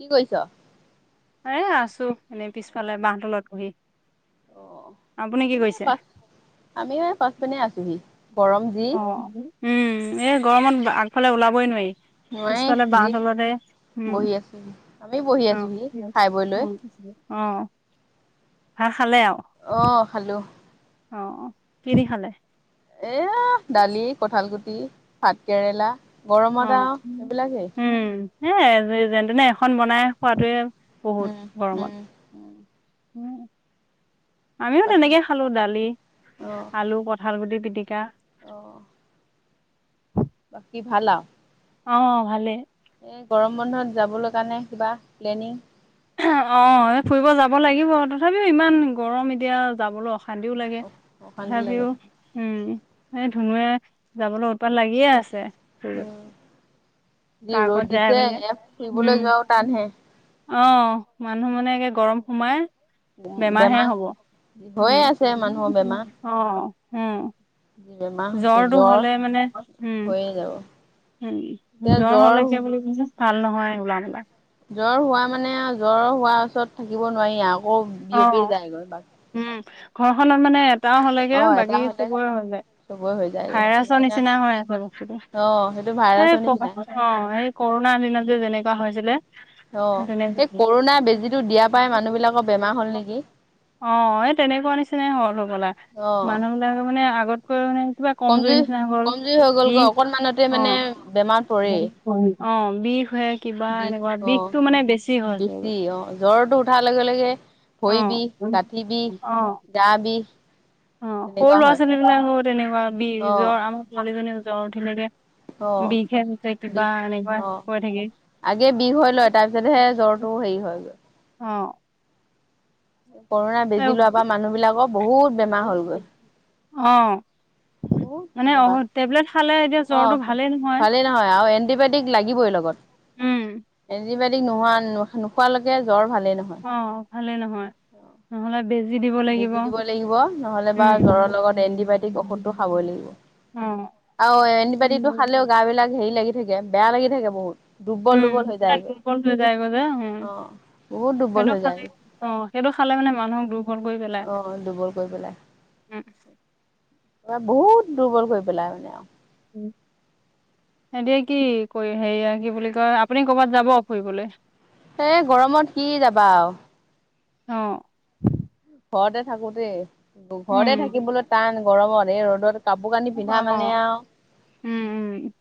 কি কৰিছ? এ আছো, এনেই পিছফালে বাহ তলত বহি। অ', আপুনি কি আমিও এই কৰিছে? পাচ আমিও এই পাচ পিনে আছোহি গৰম যি অ', উম, এই গৰমত আগফালে ওলাবই নোৱাৰি। মই পিছফালে বাহ যি তলতে, উম। বহি আছোহি। আমি বহি আছোহি [unintelligible] অ', খাই বৈ লৈ। ভাত খালে আৰু? অ', খালো। অ', অ', কি দি খালে? এ দালি, কঁঠালগুটি, ভাতকেৰেলা। অ', উম, এ যেনেতেনে এখন বনাই খোৱাটোৱে বহুত, উম, গৰমত। উম, উম, আমিও বাকী তেনেকে খালো দালি, আলু, কঠালগুটি পিটিকা। অহ। বাকী ভাল আৰু? অ ভালে। এই গৰম বন্ধত যাবলৈ কাৰণে কিবা প্লেনিং? অ এ ফুৰিব যাব লাগিব তথাপিও ইমান গৰম এতিয়া যাবলৈ অস শান্তিও লাগে অশান্তি লাগে। তথাপিও উম এই ধুনুুৱে যাবলৈ উৎপাত লাগিয়ে আছে। উম যি পাৰ্কত ৰ'দ যাই দিছে বোলে এ উম ফুৰিবলৈ যোৱাও টানহে। অ মানুহ মানে গৰম সোমাই বেমাৰ হে হ'ব, হৈয়ে উম আছে মানুহৰ বেমাৰ অ' উম। যি বেমাৰ হৈছে জ্বৰটো জ্বৰ হ'লে মানে উম হৈয়ে যাব উম জ্বৰ হ'লে [unintelligible] ভাল নহয় ওলাবলৈ। জ্বৰ হোৱা মানে জ্বৰ হোৱাৰ ওচৰত থাকিব নোৱাৰি। আকৌ অ বিয়পিয়ে যায় গৈ বাক উম ঘৰখনত মানে এটাও হ'লেগে অ এটা বাকি হলে চবৰে হৈ যায়। চবৰে হৈ যায়গৈ ভাইৰাছৰ সেইকাৰণে নিচিনা হয় আছে বস্তুটো। অ সেইটো ভাইৰাছৰ সেই ক নিচিনা অ' এই ক'ৰোণাৰ দিনত যে যেনেকুৱা হৈছিলে। অ সেইটোনে এই বুজি। ক'ৰোণা বেজিটো দিয়া পাই মানুহ বিলাকৰ বেমাৰ হ'ল নেকি অ এই তেনেকুৱা নিচিনাই হ'ল হ'বলা। অ মানুহ মানুহবিলাক মানে আগতকৈ মানে কিবা কমজৰি কমজুৰি নিচিনা হ'ল, কমজুৰি হৈ গ'লগৈ বিষ অকনমানতে মানে বেমাৰ পৰেই অ' অ বিষ হে কিবা বিষ এনেকুৱা, বিষটো অ মানে বেছি হৈ হৈছে বেছি গৈ। অ জ্বৰটো উঠাৰ লগে লগে ভৰি অ', বিষ, গাঠি বিষ, অ', গা বিষ অ সৰু তেনেকুৱা হয়। ল'ৰা-ছোৱালী বিলাকো তেনেকুৱা বিষ অ জ্বৰ আমাৰ ছোৱালীজনী জ্বৰ উঠিলগে। অ বিষেছে কিবা বিষ এনেকুৱা অ কৈ থাকে। আগে বিষ হৈ লয় তাৰপিছতহে জ্বৰটো হেৰি হয় গৈ। অ'। ক'ৰোণা এ বেজি লোৱাৰ পৰা মানুহবিলাকৰ বহুত বেমাৰ হ'ল গৈ। অ'। বহু মানে বেমাৰ অ', টেবলেট খালে এতিয়া জ্বৰটো অ' ভালেই নহয় ভালেই নহয় আৰু এণ্টিবায়টিক লাগিবই লগত। উম। এণ্টিবায়টিক নোহোৱা নোখোৱালৈকে জ্বৰ ভালে নহয়। অ' ভালেই নহয়। নহ'লে বেজি দিব লাগিব বেজি দিব লাগিব নহ'লে বা উম জ্বৰৰ লগত এন্টিবায়টিক ঔষধটো খাবই লাগিব। অ আৰু এণ্টিবায়টিকটো খালেও গাবিলাক হেৰি লাগি থাকে, বেয়া লাগি থাকে বহুত। দুৰ্বল উম দুৰ্বল হৈ তাত যায়গৈ। দুৰ্বল হৈ যায়গৈ যে উম অ বহুত দুৰ্বল সেইটো হৈ খালে যায়গৈ। অ সেইটো খালে মানে মানুহক দু আহ দুৰ্বল কৰি পেলাই। উম অ বহুত দুৰ্বল কৰি পেলাই মানে আৰু। উম। এতিয়া কি কৰি হেৰিয়া কি বুলি কয় আপুনি ক'বাত যাব ফুৰিবলৈ? এ গৰমত কি যাবা আৰু। অ'। ঘৰতে থাকো থে ঘৰতে উম থাকিবলৈ টান গৰমত এই ৰ'দত কাপোৰ-কানি পিন্ধা অ মানে আৰু উম উম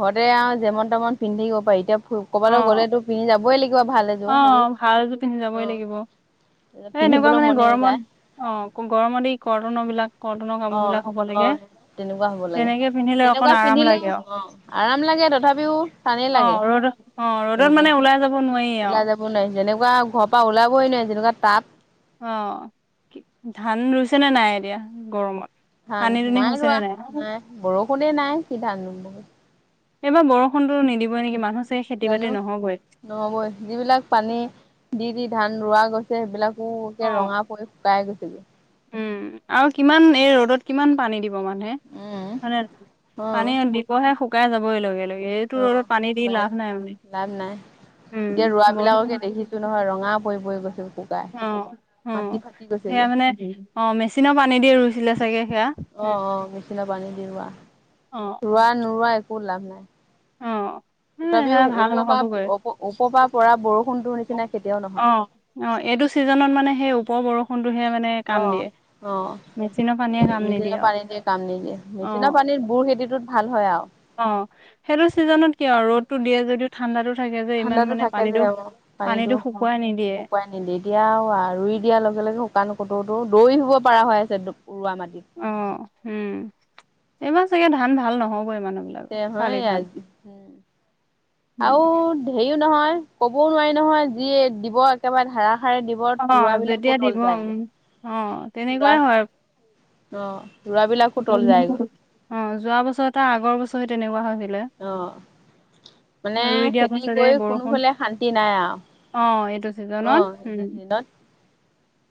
ঘৰতে আৰু যেমন-তেমন পিন্ধ থাকিব পাৰি। এতিয়া অ ক'বাল গলেতো পিন্ধি যাবই লাগিব। ভাল এযোৰ অ সেইযোৰ। ভাল জোৰ পিন্ধি যাবই লাগিব। অ' এ এনেকুৱা পিন্ধিবলৈ মানে মনে নাযায়। গৰমত অ গৰমত মানে কটনৰবিলাক কটনৰ অ', কাপোৰবিলাক হ'ব লাগে, অ', তেনেকুৱা হ'ব লাগে। তেনেকে পিন্ধিলে তেনেকুৱা অকন আৰাম পিন্ধিলেও লাগে আৰু। অ', আৰাম লাগে তথাপিও টানেই অ লাগে ৰ'দত অহ ৰ'দত মানে ওলাই যাব নোৱাৰি ওলাই অহ। যাব যেনেকুৱা ঘৰ পৰা ওলাবই নোৱাৰি যেনেকা তাপ। অ কি ধান ৰুইছে নে নাই এতিয়া গৰমত? ধান পানী দুনি নাই হৈছে ৰোৱা নে নাই, বৰষুণে নাই কি ধান ৰুম বুলো। এইবাৰ বৰষুণটো নিদিবই নেকি মানুহ চাগে খেতি জানো বাতি নহ'বই। নহ'বই যিবিলাক পানী দি দি ধান ৰোৱা গৈছ সেইবিলাকো অ' ৰঙা পৰি শুকাই গৈছেগৈ। উম, আৰু কিমান এই ৰ'দত কিমান পানী দিব মানুহে। উম, হয় নে, অ', পানী দিবহে শুকাই যাবই লগে ল এইটো অ', ৰ'দত পানী দি শুকাই লাভ নাই [inaudible] লাভ নাই এতিয়া ৰোৱা বৰষুণ বিলাককে দেখিছোঁ নহয় ৰঙা পৰি পৰি গৈছে। শুকাই অ', মাটি অ', ফাটি সেয়া গৈছেগৈ। মানে অ' মেচিনৰ পানী দি ৰুইছিলে চাগে সেয়া। অ', অ', মেচিনৰ পানী দি ৰোৱা, অ' ৰোৱা নৰুোৱা একো লাভ নাই। অ'। [unintelligible] তথাপিও সেয়া ভাল ওপৰ পৰা নহ'বগৈ ওপৰৰ পৰা পৰা বৰষুণটোৰ নিচিনা কেতিয়াও নহয় অ'। অ' এইটো ছিজনত মানে সেই ওপৰৰ বৰষুণটোহে মানে অ কাম দিয়ে। অ'। মেচিনৰ পানীয়ে এ, কাম নিদিয়ে মেচিনৰ অ পানী দিয়ে কাম নিদিয়ে অ মেচিনৰ পানী বুৰ খেতিটোত ভাল হয় আৰু। অ' সেইটো চিজনত কি আৰু ৰ'দটো দিয়ে যদি ঠাণ্ডাতো থাকে যে ইমান ঠাণ্ডাতো মানে থাকে যে পানীতো, পানীতো শুকুৱাই নিদিয়ে। এত-এতিয়াও ৰুই দিয়াৰ লগে লগে শুকান কটৌতো দৌৰি শুব পৰা হৈ আছে দ ৰুৱা মাটিত। অ' উম, এইবাৰ চাগে ধান ভাল নহ'বই মানুহবিলা [unintelligible] আৰু উম হেৰিও নহয় ক'বও নোৱাৰি নহয় যি এক দিব একেবাৰে ধাৰাসাৰে দি [unintelligible] অ ৰুৱাবিলাকো যেতিয়া দিব তল যায়। উম অ তেনেকুৱাই [unintelligible] হয় অ' ৰুৱাবিলাকো তল যায়গৈ। অ' যোৱা বছৰটা আগৰ বছৰে তেনেকুৱা হৈছিলে। অ' মানে ৰুই দিয়াৰ খেতি পাছতে কৰি বৰষুণ কোনোফালে শান্তি নাই আৰু। অ' এইটো চিজনত অ' হম। দিনত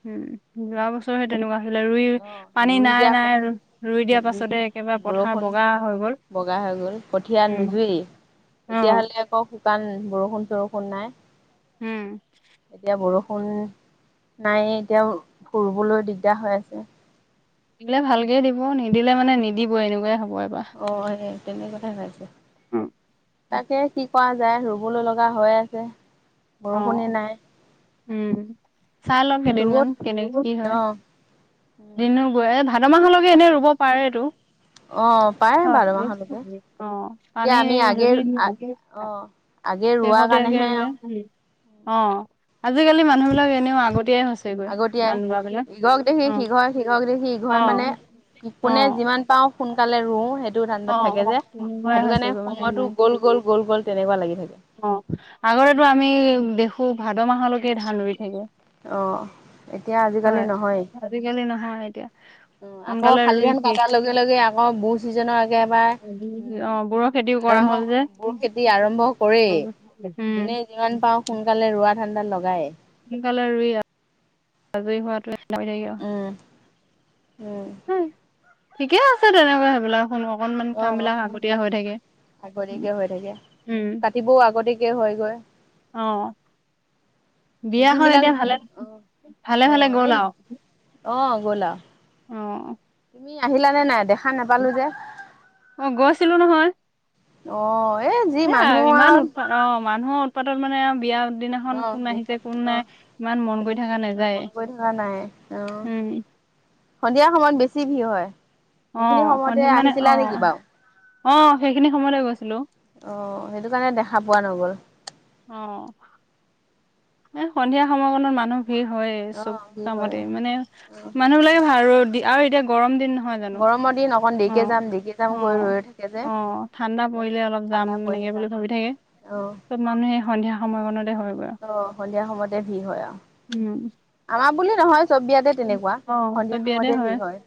হম, যোৱা বছ [unintelligible] তেনেকুৱা হৈছিলে ৰুই অ' পানী ৰুই দিয়া নাই নাই ৰুই দিয়া পাছতে একেবাৰে পথাৰ বৰষুণ বগা হৈ গ'ল। বগা হৈ গ'ল কঠীয়া নুযুই, অ এতিয়াহ'লে [unintelligible] শুকান বৰষুণ চৰষুণ নাই। উম। এতিয়া বৰষুণ নাই এতিয়া ৰুৱবলৈ দিগদাৰ হৈ আছে। দিলে ভালকে দিব নিদিলে মানে নিদিব এনেকুৱাই হ'ব এবাৰ। অ' সেয়ে তেনেকে [unintelligible] তাকে কি কৰা যায় ৰুবলৈ লগা হৈ আছে। বৰষুণে অ' নাই উম, চাই লওঁ ৰুব কেইদিনমান কেনেক কি হয়। অ' দিনো গৈ এ, ভাদ মাহলৈকে এনেই ৰুব পাৰেতো। অ' পায় বাৰ মাহলৈকে [unintelligible] অ' পানী এতিয়া আমি আগে যদি [inaudible] শেষতীয়াকে অ' আগে ৰোৱা কাৰণেহে আৰু অ' আজিকালি মানুহ বিলাক এনেও আগতিয়াই আগতিয়াই, ইঘক দেখি সিঘৰ সিঘক দেখি ইঘৰ অ মানে, অ কোনে যিমান পাওঁ সোনকালে ৰুওঁ সেইটো ধানদাত অ', থাকে অ', যে, তেনেকুৱাই সেইটো হৈছে কাৰণে গৈ মানে সময়তো গ'ল গ'ল গ'ল গ'ল তেনেকুৱা লাগি থাকে। অ' আগতেো আমি দেখো ভাদ মাহলৈকে ধান ৰুই থাকে। অ' এতিয়া আজিকালি নহয়। আজিকালিৰ নহয় এতিয়া। উম, আকৌ সোনকালে শালি ৰুই ধান শেষ কাটাৰ লগে লগে আকৌ ব চিজনৰ আগে এবাৰ উম, অ', বোৰৰ খেতিও কৰা হ'ল আৰম্ভ যে বোৰ খেতি আৰম্ভ কৰেই। উম, যোনে উম। যিমান পাৰোঁ সোনকালে ৰুৱা ধান্ডাত লগায়। সোনকালে ৰুই আজৰি হোৱাটোৱে [unintelligible] উম উম। উ। ঠিকে আছে তেনেহলে, সেইবিলাক শুনো অকনমানি কাম অ' বিলাক আগতীয়া হৈ থাকে। আগতীয়াকে হৈ থাকে, উম, কাটিবও আগতীয়াকে হয় গৈ। অ'। মিচিং বিয়াখন বিলাক এতিয়া ভালে অ', ভালে ভালে অ', গ'ল এই, আৰু অ', গ'ল আও। অ'। তুমি আহিলানে নাই, দেখা নাপালো যে। অ', গৈছিলো নহয়। অ', এই যি এ মানুহ ইমান আও। উৎপাত অ', মানুহৰ উৎপাতত মানে আৰু বিয়া অ দিনাখন অ কোন আহিছে কোন নাই, ইমান মন সেইটো কৰি থকা নাযায়ে। মন কৰি থকা নাই অ উ। সন্ধিয়া সময়ত বেছি ভিৰ হয়। অ সেইখিনি সন্ধি সময়তে মানে অ আহিছিলা নেকি বাৰু? অ', সেইখিনি সময়তে গৈছিলো। অ', সেইটো কাৰণে দেখা পোৱা নগ'ল। অ'। এ, সন্ধিয়া সময়কণত মানুহ ভিৰ হয়ে। অ চব কি হয় কামতে মানে, অ মানুহ বিলাকে ভাব ৰ'দ দি আৰু এতিয়া গৰম দিন নহয় জানো। গৰমৰ দিন অকণ দেৰিকে অ', যাম দেৰিকে যাম কৰি অ', ৰৈ থাকে যে অ', ঠাণ্ডা সেইকাৰণে পৰিলে অলপ যাম ঠাণ্ডা পৰিলে এনেকে যাম বুলি ভাবি থাকে। অ'। চব মানুহে সন্ধিয়া সময়কণতে হৈ গৈ আও। অ', সন্ধিয়া সময়তে ভিৰ হয় আৰু। উ। আমাৰ বুলি নহয়, চব বিয়াতে তেনেকুৱা, অ চব সন্ধিয়া বিয়াতে সময়তে ভিৰ হয়।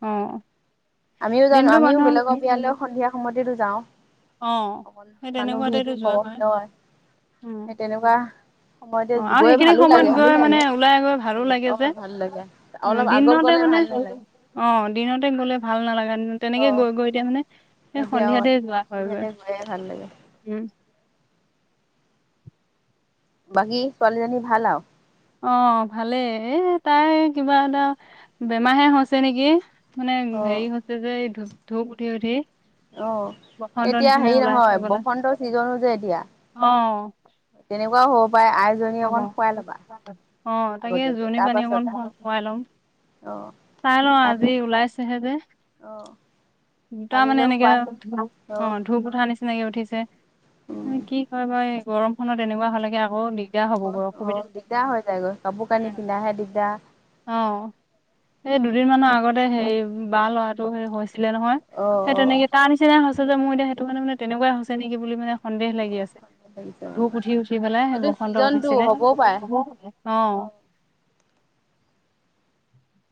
অ'। আমিও জানো, দিনটো আমিও বেলেগৰ মানুহৰ বিয়ালৈ সন্ধিয়া সময়তেতো যাওঁ। অ', অকণ সেই মানুহ তেনেকুৱাতেতো ভিৰটো যোৱা কমক, হয়। উম, [unintelligible] সেই তেনেকুৱা। সময়তে অ', আৰু গৈ সেইখিনি ভালো লাগে সময়ত গৈ মানে ওলাই গৈ ভালো ভাল লাগে যে। অ ভাল লাগে উ, অলপ আগত দিননতে গ'লে মানে, ভাল নালাগে অ' দিনতে গ'লে ভাল নালাগে নহ‌ অ তেনেকে গৈ গৈ এতিয়া মানে, সেই এতিয়া অ সন্ধিয়াতে যোৱা হয় গৈ, সন্ধিয়াতে গৈয়ে ভাল লাগে উ। বাকী, ছোৱালীজনী ভাল আৰু? অ', ভালেই, এ, তাই কিবা এটা বেমাৰ হে হৈছে নেকি! মানে অ হেৰি হৈছে যে, এই ধূ-ধূপ উঠি উঠি। অ'। বসন্ত এতিয়া নিচিনা হেৰি ওলাইছে নহয়, হ'বলা, বসন্ত ছিজন হৈছে এতিয়া। অ'। তেনেকুৱাও হ'ব পায় আই [unintelligible] অ' তাকে আগতীয়াকে জোৰণি তাৰ পানী পাছত অকন খোৱাই ল'ম। অ'। চাই লওঁ তাৰপাছত আজি ওলাইছেহে যে। অ'। দুটা মানে কালিলৈ এনেকে শুৱাই ধূ, অ', ধূপ উঠা নিচিনা এনেকে উঠিছে। উম কি কয় বাৰ এই গৰমখনত এনেকুৱা হ'লে গে আকৌ দি [unintelligible] অ', দিগদাৰ হৈ যায়গৈ। কাপোৰ কানি পিন্ধাহে দিগদাৰ। অ', এই দুদিন মানৰ আগতে হেৰি বা ল'ৰাটো সে হৈছিলে নহয়। অ সেই অ তেনেকে তাৰ নিচিনাই হৈছে যে মোৰ এতিয়া সেইটো মানে তেনেকুৱাই হৈছে নেকি বুলি মানে সন্দেহ লাগি আছে। লাগিছে অ ধূপ উঠি উঠি পেলাই, এইটো বসন্ত ছিজনটো উঠিছিলে, হ'বও হ'বও পাৰে, অ'।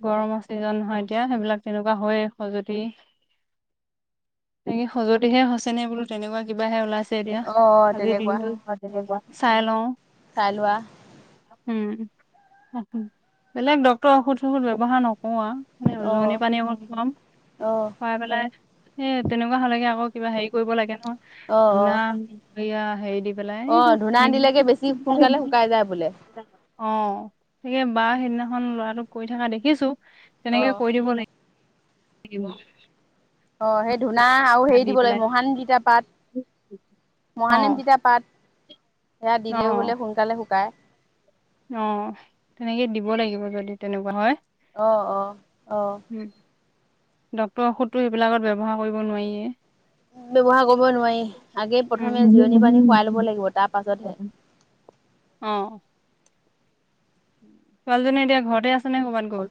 গৰমৰ ছিজন নহয় এতিয়া, সেইবিলাক তেনেকুৱা হয়ে, খজতি এই খজতিহে হৈছেনে বোলো তেনেকুৱা কিবাহে ওলাইছে এতিয়া, অ আজিৰ তেনেকুৱা দিনটো [unintelligible] উম চাইলও। চাই লোৱা উ। বেলেগ ডক্তৰৰ ঔষধ চৌষধ ব্যৱহাৰ নকৰো আৰু। এই অ জোৰণি পানী অকণ খুৱাম, অ খুৱাই পেলাই এ তেনেকুৱা হলেকে আকৌ কিবা হেৰি কৰিব লাগে নহয় অ অ ধূনা হেইয়া হেৰি দি অ ধূনা দিলেগে বেছি সোনকালে শুকাই যায় বোলে [unintelligible] অ' তাকে বা সেইদিনাখন ল'ৰাটোক কৰি থকা দেখিছো, অ তেনেকে কৰি দিব লাগে। লাগিব। অ' সেই ধুনা আৰু হেৰি দি দিব লাগিব পেলাই মহানিম টিতা পাট, অ মহানিম টিতা পাট। সেয়া অ দিলেও বোলে সোনকালে শুকাই। অ' তেনেকে দিব লাগিব যদি তেনেকুৱা হয়। অ' অ' অ'। ডক্তৰৰ ঔষধটো সেইবিলাকত ব্যৱহাৰ কৰিব নোৱাৰিয়ে। ব্যৱহাৰ কৰিব নোৱাৰি আগে প্ৰথমে জোৰণি পানী খুৱাই ল'ব উম লাগিব তাৰ পাছতহে। অ'। ছোৱালীজনী এতিয়া ঘৰতে আছে নে ক'ৰবাত গ'ল?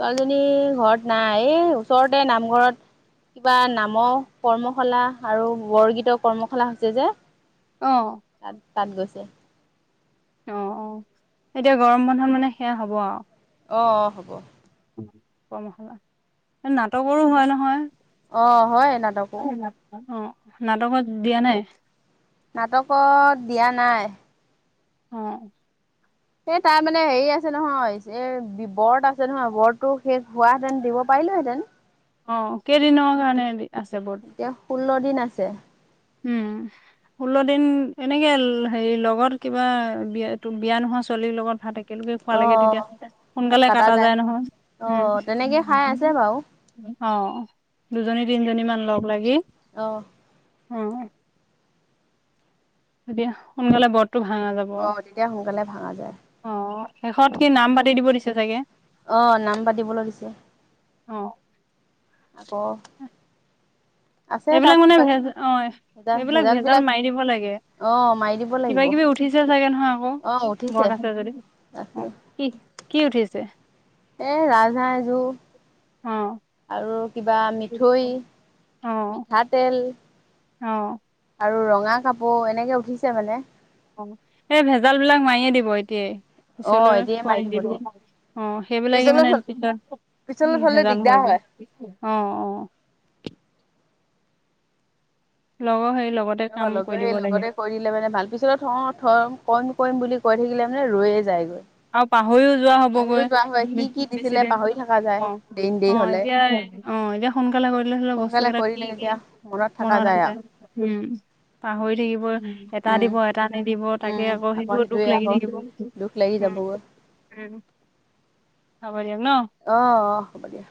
ছোৱালীজনী ঘৰত নাই এই ওচৰতে নামঘৰত কিবা নামৰ কৰ্মশালা আৰু বৰগীতৰ কৰ্মশালা হৈছে যে অ' তাত তাত গৈছে। অ' অ' এতিয়া গৰম বন্ধত মানে সেয়া হ'ব আৰু। অ' অ' হ'ব। কৰ্মশালা নাটকৰো হয় নহয়। অ' হয় নাটকো। অ' নাটকত দিয়া নাই? নাটকত দিয়া নাই। অ' এই তাৰ মানে হেৰি আছে নহয়, এ ব্ৰত আছে নহয়, ব্ৰতটো শেষ হোৱা তেন দিব পাৰিলোহেঁতেন। অ' কেইদিনৰ কাৰণে আছে ব্ৰত এতিয়া ষোল্ল দিন আছে। উম। ষোল্ল দিন এনেকে হেৰি লগৰ কিবা বিয়া ত বিয়া নোহোৱা ছোৱালীৰ লগত ভাত একেলগে খোৱা লাগে অঁ তেতিয়া হ'লে সোনকালে কাটা যায় নহয়। অঁ তেনেকৈ খাই আছে বাৰু অ' দুজনী তিনিজনী মান লগ লাগি। অ' অ', তেতিয়া সোনকালে বৰতটো ভাঙা যাব। আৰু। অ' তেতিয়া সোনকালে ভাঙা যায়। অ' শেষত কি নাম পাতি দিব দিছে চাগে? অ' নাম পাতিবলৈ দিছে। অ' আকৌ আছে এইবিলাক তাত মানে কিবা ভেজ কিবি অ' ভেজা এইবিলাক ভেজাল বিলাক মাৰি দিব লাগে। অ মাৰি দিব লাগিব কিবা কিবি উঠিছে চাগে নহয় আকৌ অ উঠিছে ব্ৰত আছে যদি। অ আছে। কি কি উঠিছে? এই ৰাজহাঁহ এযোৰ। অ আৰু কিবা মিথই, অ মিঠাতেল। অ' আৰু ৰঙা কাপোৰ এনেকে উঠিছে মানে। অ' এই ভেজাল বিলাক মাৰিয়ে দিব এতিয়াই। অ পিছলৈ এতিয়াই থয় মাৰি দিব নিদিব অ' সেইবিলাকে পিছলৈ মানে পিছত উম, পিছলৈ থলে ভেজাল দিগদাৰ হয়গৈ হয় অ' অ'। লগৰ হেই লগত। অ' লগৰ সেই লগতে কৰি দিলে মানে ভাল পিছত আৰু থ-থ- কৰিম কৰিম বুলি কৈ থাকিলে মানে ৰৈয়ে যায়গৈ। আৰু পাহৰিও যোৱা বাহিৰত হ'বগৈ যোৱা হয় বে কি কি দিছিলে বেছিদিন পাহৰি থকা যায় অ', দেৰি দেৰি অ', হলে এতিয়া অ' এতিয়া সোনকালে কৰিলে হ'লে বস্তু সোনকালে কেইটা কি কৰিলে এতিয়া কি থকা যায় মনত আছে, আৰু হম। পাহৰি থাকিব এটা উম দিব এটা নিদিব উম তাকে আকৌ সেইটো সেইটোৱে দুখ লাগি আকৌ থাকিব। দুখ লাগি উম যাবগৈ। উম হ'ব দিয়ক ন'। অ', অ', হ'ব দিয়া।